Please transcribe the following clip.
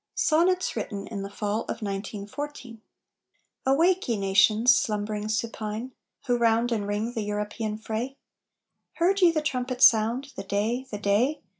SONNETS WRITTEN IN THE FALL OF 1914 Awake, ye nations, slumbering supine, Who round enring the European fray! Heard ye the trumpet sound? "The Day! the Day!